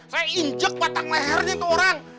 saya injek batang lehernya itu orang